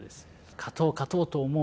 勝とう勝とうと思う